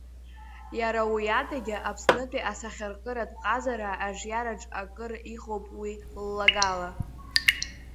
Иара уи адагьы Аԥснытәи асахьаҭыхратә ҟазара аҿиараҿ акыр ыҟоуп уи ллагала.